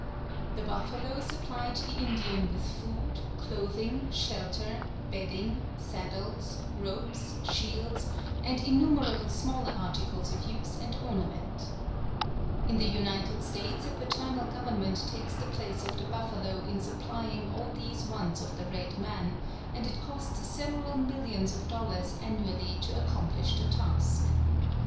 The buffalo supplied the Indian with food, clothing, shelter, bedding, saddles, ropes, shields, and innumerable smaller articles of use and ornament In the United States a paternal government takes the place of the buffalo in supplying all these wants of the red man, and it costs several millions of dollars annually to accomplish the task.